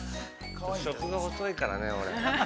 食が細いからね、俺。